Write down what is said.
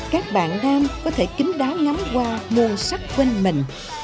các bạn nam có thể kín đáo ngắm qua nguồn sắc quênh mình